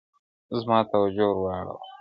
زما توجه ور واړوله -